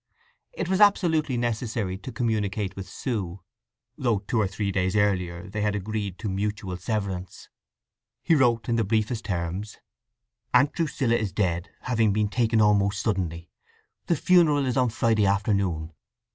It was absolutely necessary to communicate with Sue, though two or three days earlier they had agreed to mutual severance. He wrote in the briefest terms: Aunt Drusilla is dead, having been taken almost suddenly. The funeral is on Friday afternoon.